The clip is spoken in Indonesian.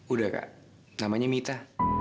udah kak namanya mita